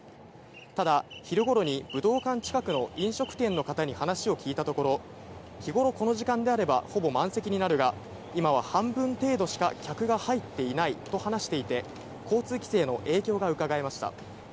ただ昼ごろに、武道館近くの飲食店の方に話を聞いたところ、日頃、この時間であれば、ほぼ満席になるが、今は半分程度しか客が入っていないと話していて、交通規制の影響がうかがえました。